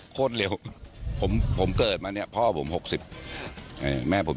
โคตรเร็วผมเกิดมาพ่อผม๖๐แม่ผม๒๐